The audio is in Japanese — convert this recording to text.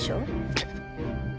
くっ！